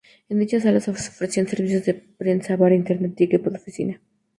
En dichas salas se ofrecían servicios de prensa, bar, internet y equipo de oficina.